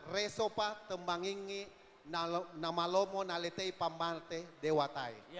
resopa tembangingi nama lomo nalitei pam maltei dewatai